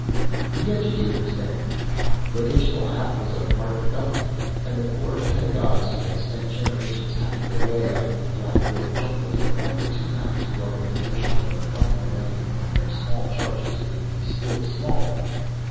The educators, then? Vocational Apt was a part of the government. And the poor pedagogues, who had spent generations hacking their way out of the blackboard jungles, were only too happy to welcome the notion of a coming millennium when their small charges would be still smaller.